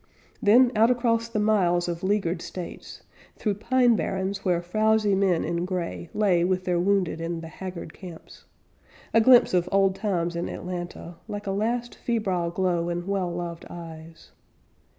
Then, out across the miles of leaguered states, Through pine barrens where frowsy men in gray Lay with their wounded in the haggard camps A glimpse of old times in Atlanta Like a last febrile glow in well loved eyes.